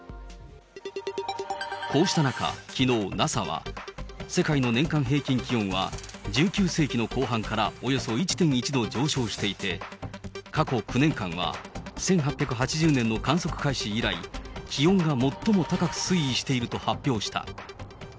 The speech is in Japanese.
こうした中、きのう、ＮＡＳＡは、世界の年間平均気温は、１９世紀の後半からおよそ１．１度上昇していて、過去９年間は、１８８０年の観測開始以来、気温が最も高く推移していると発表した。